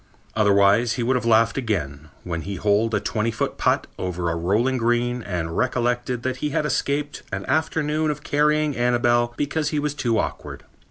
Otherwise, he would have laughed again, when he holed a twenty foot putt over a rolling green and recollected that he had escaped an afternoon of carrying Annabel because he was too awkward.